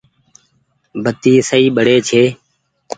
بتي سئي ٻڙي ڇي۔